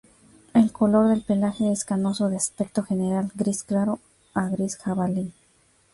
El color del pelaje es canoso de aspecto general, gris claro a gris jabalí.